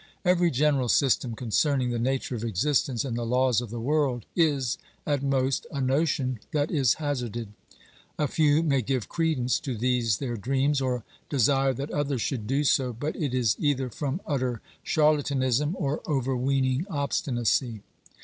Every general system concerning the nature of existence and the laws of the world is at most a notion that is hazarded. A few may give credence to these their dreams, or desire that others should do so, but it is either from utter charla tanism or overweening obstinacy.